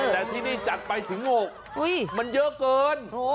แต่ที่นี่จัดไปถึง๖มันเยอะเกิน